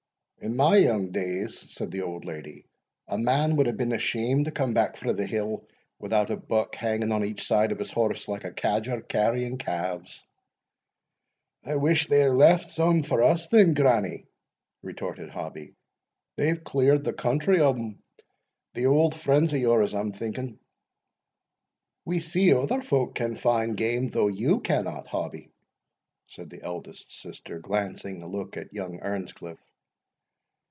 "In my young days," said the old lady, "a man wad hae been ashamed to come back frae the hill without a buck hanging on each side o' his horse, like a cadger carrying calves." "I wish they had left some for us then, grannie," retorted Hobbie; "they've cleared the country o' them, thae auld friends o' yours, I'm thinking." "We see other folk can find game, though you cannot, Hobbie," said the eldest sister, glancing a look at young Earnscliff.